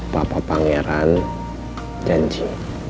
papa pangeran janji